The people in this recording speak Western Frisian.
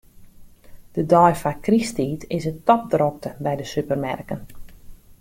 De dei foar krysttiid is it topdrokte by de supermerken.